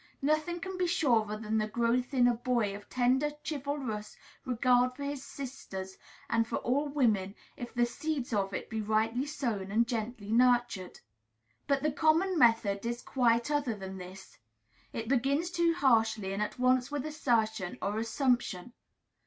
Nothing can be surer than the growth in a boy of tender, chivalrous regard for his sisters and for all women, if the seeds of it be rightly sown and gently nurtured. But the common method is quite other than this. It begins too harshly and at once with assertion or assumption.